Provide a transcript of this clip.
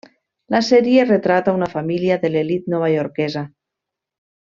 La sèrie retrata una família de l'elit novaiorquesa.